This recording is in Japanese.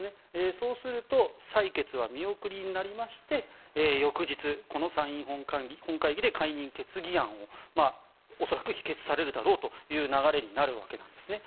そうすると採決は見送りになりまして翌日、この参院本会議で解任決議案を恐らく否決されるだろうという流れになるわけなんですね。